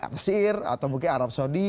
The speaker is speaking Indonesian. mesir atau mungkin arab saudi